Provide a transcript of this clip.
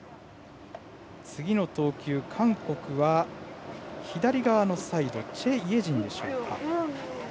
次の投球、韓国は左側のサイドチェ・イェジン。